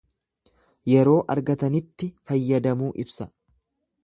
Yeroo argatanitti fayyadamuu ibsa.